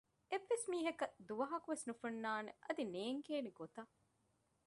އެއްވެސް މީހަކަށް ދުވަހަކުވެސް ނުފެންނާނެ އަދި ނޭނގޭނެ ގޮތަށް